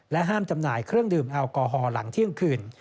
ห้ามจำหน่ายเครื่องดื่มแอลกอฮอล์หลังเที่ยงคืน